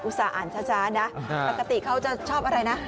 ส่าห์อ่านช้านะปกติเขาจะชอบอะไรนะ